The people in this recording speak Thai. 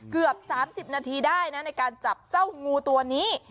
เกือบ๓๐นาทีได้นะในการจับเจ้างูตัวนี้